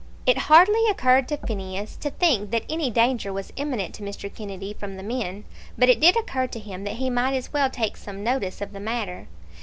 It hardly occurred to Phineas to think that any danger was imminent to Mr. Kennedy from the men, but it did occur to him that he might as well take some notice of the matter.